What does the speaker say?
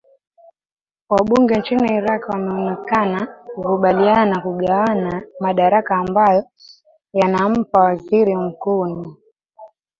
wabunge nchini iraq wameonekana kukubaliana kugawana madaraka ambayo yanampa waziri mkuu nu